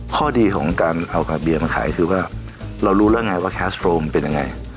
ข้อดีของการเอากระเบียมาขายคือว่าเรารู้แล้วไงว่าแคสโรมเป็นยังไง